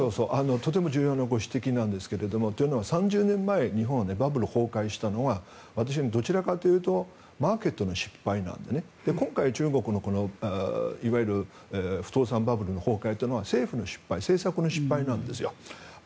とても重要なご指摘なんですが例えば、日本は３０年前バブルが崩壊したのは私はどちらかというとマーケットの失敗で今回のこの中国のいわゆる不動産バブルの崩壊は政府の失敗政策の失敗なんですよ。